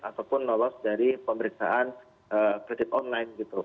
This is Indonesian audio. ataupun lolos dari pemeriksaan kredit online gitu